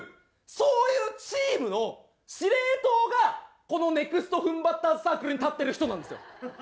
そういうチームの司令塔がこのネクストフンバッターズサークルに立ってる人なんですよ。